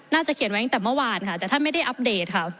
เขียนไว้ตั้งแต่เมื่อวานค่ะแต่ท่านไม่ได้อัปเดตค่ะ